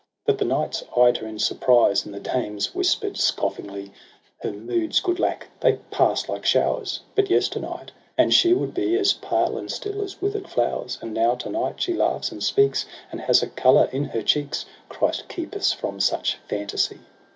That the knights eyed her in surprise, And the dames whispered scoffingly :' Her moods, good lack, they pass like showers ! But yesternight and she would be As pale and still as wither'd flowers, And now to night she laughs and speaks And has a colour in her cheeks ; Christ keep us from such fantasy